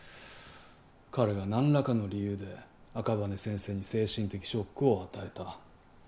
彼が何らかの理由で赤羽先生に精神的ショックを与えた。